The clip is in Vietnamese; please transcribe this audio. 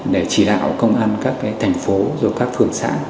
để chỉ đạo công an các thành phố các phường xã